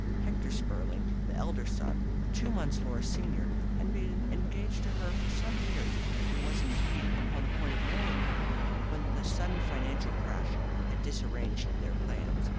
Hector Spurling, the elder son, two months Laura's senior, had been engaged to her for some years, and was, indeed, upon the point of marrying her when the sudden financial crash had disarranged their plans.